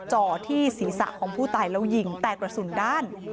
จ่อที่ศีรษะของผู้ตายแล้วยิงแต่กระสุนด้าน